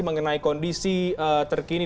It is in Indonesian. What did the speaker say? mengenai kondisi terkini